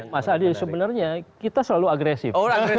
mas adi sebenarnya kita selalu agresif